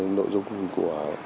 nội dung của